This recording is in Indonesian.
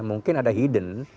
mungkin ada hidden